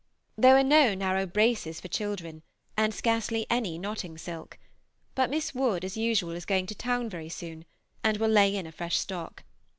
There were no narrow braces for children, and scarcely any notting silk; but Miss Wood, as usual, is going to town very soon, and will lay in a fresh stock.